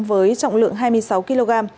với trọng lượng hai mươi sáu kg